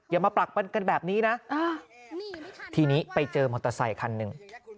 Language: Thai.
อย่ามาปรักปันกันแบบนี้นะทีนี้ไปเจอมอเตอร์ไซคันหนึ่ง